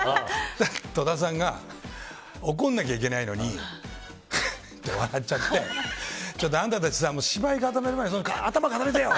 戸田さんが怒らなきゃいけないのにふって笑っちゃってあんたたちさ芝居固める前に頭固めてよ！